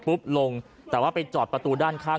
ปอล์กับโรเบิร์ตหน่อยไหมครับ